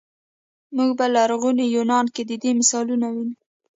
موږ په لرغوني یونان کې د دې مثال وینو.